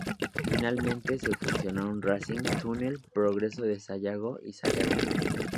Finalmente se fusionaron Racing, Túnel, Progreso de Sayago y Sayago.